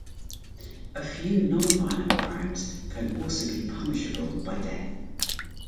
A few non-violent crimes can also be punishable by death.